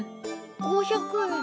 ５００円！